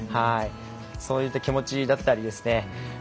そういう気持ちだったりですね